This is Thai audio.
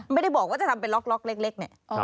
ไม่ได้บอกว่าจะทำเป็นล็อกเล็กเนี่ย